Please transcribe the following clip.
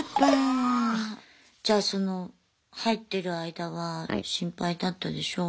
じゃあその入ってる間は心配だったでしょう。